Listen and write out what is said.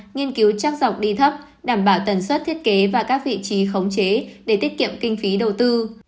nghiên cứu chắc dọc đi thấp đảm bảo tần suất thiết kế và các vị trí khống chế để tiết kiệm kinh phí đầu tư